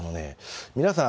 皆さん